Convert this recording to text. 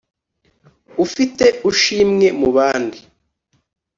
ufite ushimwe mu bandi.